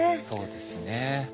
そうですね。